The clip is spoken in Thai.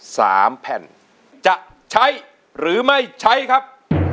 สามแผ่นจะใช้หรือไม่ใช้ครับ